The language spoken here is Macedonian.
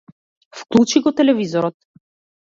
Вклучи го телевизорот.